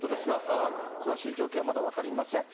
詳しい状況はまだ分かりません。